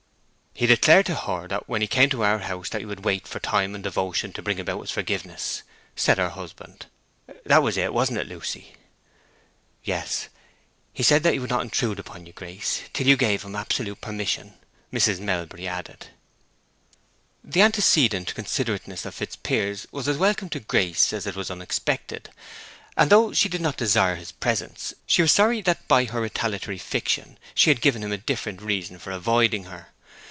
"He declared to her when he came to our house that he would wait for time and devotion to bring about his forgiveness," said her husband. "That was it, wasn't it, Lucy?" "Yes. That he would not intrude upon you, Grace, till you gave him absolute permission," Mrs. Melbury added. This antecedent considerateness in Fitzpiers was as welcome to Grace as it was unexpected; and though she did not desire his presence, she was sorry that by her retaliatory fiction she had given him a different reason for avoiding her.